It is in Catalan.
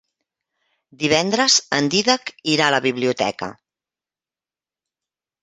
Divendres en Dídac irà a la biblioteca.